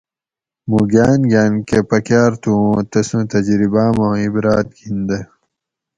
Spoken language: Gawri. مُوں گاۤن گاۤن کہ پکاۤر تھو اُوں تسوں تجرباۤ ما عِبراۤت گِندہ